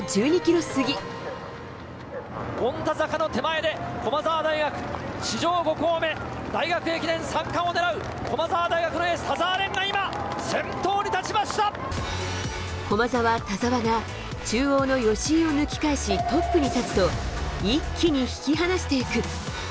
権太坂の手前で、駒澤大学、史上５校目、大学駅伝三冠を狙う駒澤大学のエース、田澤廉が今、先頭に立ちま駒澤、田澤が、中央の吉居を抜き返しトップに立つと、一気に引き離していく。